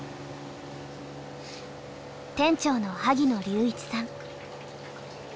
店長の萩野竜一さん。